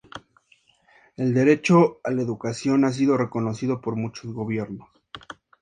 El derecho a la educación ha sido reconocido por muchos gobiernos.